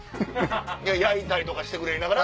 焼いたりとかしてくれながら。